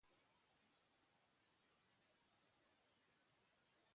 Azal gris eta leuna du.